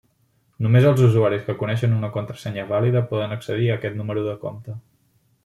Només els usuaris que coneixen una contrasenya vàlida poden accedir a aquest número de compte.